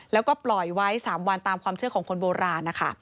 แล้วก็ปล่อยไว้๓วันตามความเชื่อของคนโบราณนะคะ